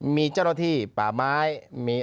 มีเจ้าหน้าที่ป่าไม้